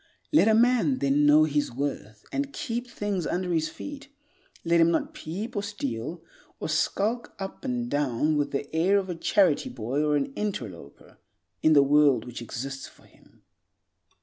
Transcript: "Let a man then know his worth, and keep things under his feet. Let him not peep or steal, or skulk up and down with the air of a charity boy or an interloper, in the world which exists for him."